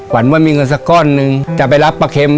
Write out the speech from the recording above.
วันว่ามีเงินสักก้อนหนึ่งจะไปรับปลาเข็ม